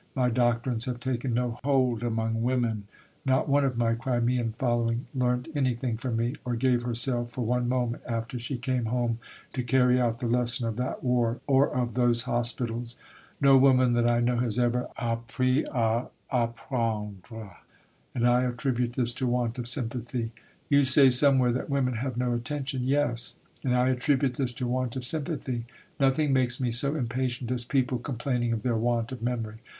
My doctrines have taken no hold among women. Not one of my Crimean following learnt anything from me, or gave herself for one moment after she came home to carry out the lesson of that war or of those hospitals.... No woman that I know has ever appris à apprendre. And I attribute this to want of sympathy. You say somewhere that women have no attention. Yes. And I attribute this to want of sympathy. Nothing makes me so impatient as people complaining of their want of memory.